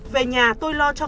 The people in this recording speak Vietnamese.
về nhà tôi lo cho